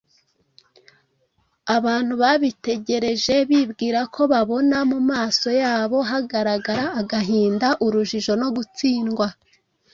abantu babitegereje bibwira ko babona mu maso yabo hagaragara agahinda, urujijo no gutsindwa